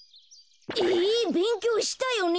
えべんきょうしたよね？